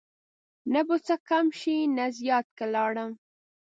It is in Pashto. نه به څه کم شي نه زیات که لاړم